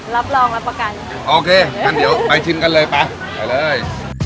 รับรองรับประกันโอเคงั้นเดี๋ยวไปชิมกันเลยไปไปเลย